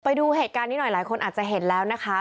ไปดูเหตุการณ์นี้หน่อยหลายคนอาจจะเห็นแล้วนะคะ